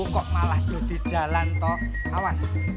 kok malah jadi jalan tol awas